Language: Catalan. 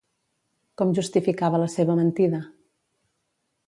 Com justificava la seva mentida?